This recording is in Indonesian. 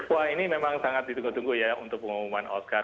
wah ini memang sangat ditunggu tunggu ya untuk pengumuman oscar